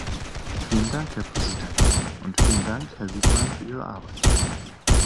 Vielen Dank, Herr Präsident, und vielen Dank, Herr Wijkman, für Ihre Arbeit.